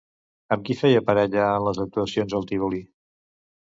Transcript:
Amb qui feia parella en les actuacions al Tívoli?